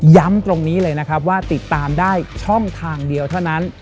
ตรงนี้เลยนะครับว่าติดตามได้ช่องทางเดียวเท่านั้น